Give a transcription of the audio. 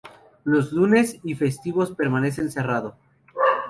Los lunes y festivos permanece cerrado.